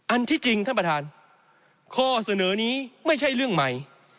ที่จริงท่านประธานข้อเสนอนี้ไม่ใช่เรื่องใหม่